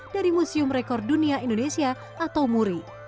dari museum rekor dunia indonesia atau muri